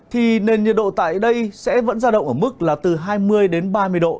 thì nền nhiệt độ tại đây sẽ vẫn gia động ở mức là từ hai mươi ba mươi độ